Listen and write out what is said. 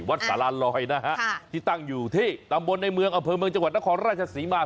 สาราลอยนะฮะที่ตั้งอยู่ที่ตำบลในเมืองอำเภอเมืองจังหวัดนครราชศรีมา